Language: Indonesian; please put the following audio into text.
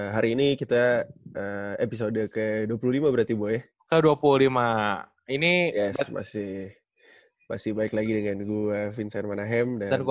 hari ini kita episode ke dua puluh lima berarti bo ya ke dua puluh lima ini masih baik lagi dengan gue vincent manahem dan temen gue